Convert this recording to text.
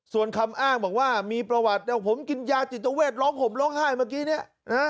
ส่วนคำอ้างบอกว่ามีประวัติผมกินยาจิตเวทร้องห่มร้องไห้เมื่อกี้เนี่ย